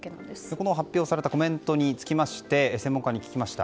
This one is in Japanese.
この発表されたコメントについて専門家に聞きました。